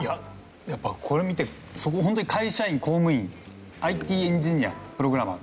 やっぱりこれ見てホントに会社員公務員ＩＴエンジニアプログラマー。